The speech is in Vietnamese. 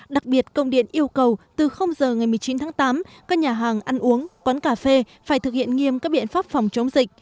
đặc biệt công điện yêu cầu từ giờ ngày một mươi chín tháng tám các nhà hàng ăn uống quán cà phê phải thực hiện nghiêm các biện pháp phòng chống dịch